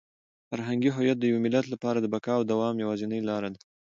فرهنګي هویت د یو ملت لپاره د بقا او د دوام یوازینۍ لاره ده.